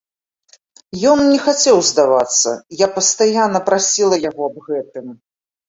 Ён не хацеў здавацца, я пастаянна прасіла яго аб гэтым.